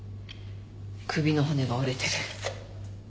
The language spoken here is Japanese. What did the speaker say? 首の骨が折れてる。